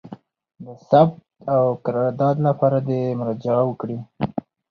د ثبت او قرارداد لپاره دي مراجعه وکړي: